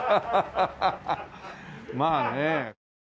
まあね。